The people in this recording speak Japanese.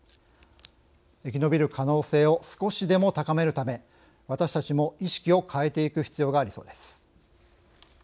生き延びる可能性を少しでも高めるため私たちも意識を変えていく必要がありそうです。